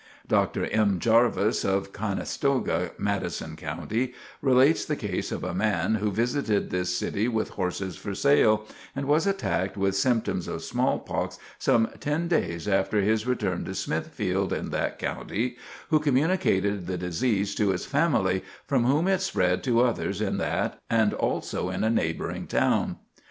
Dr. M. Jarvis, of Canestota, Madison County, relates the case of a man who visited this city with horses for sale, and was attacked with symptoms of smallpox some ten days after his return to Smithfield, in that county, who communicated the disease to his family, from whom it spread to others in that and, also, in a neighboring town.